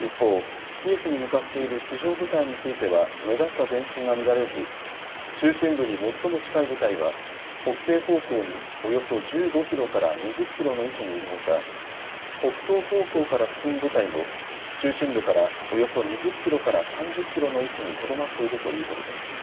一方、キエフに向かっている地上部隊については目立った前進が見られず中心部に最も近い部隊は北西方向におよそ１５キロから２０キロの位置にいるほか北東方向から進む部隊も中心部からおよそ２０キロから３０キロの位置にとどまっているということです。